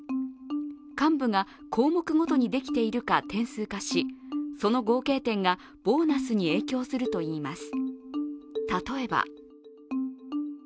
幹部が項目ごとにできているか点数化し、その合計点がボーナスに影響するといいます。